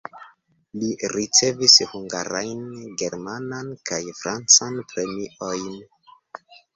Li ricevis hungarajn, germanan kaj francan premiojn.